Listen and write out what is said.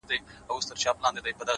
زنګ وهلی د خوشال د توري شرنګ یم!